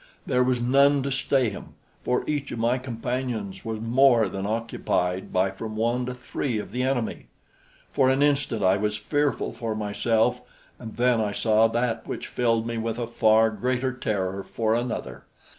There was none to stay him, for each of my companions was more than occupied by from one to three of the enemy. For an instant I was fearful for myself, and then I saw that which filled me with a far greater terror for another.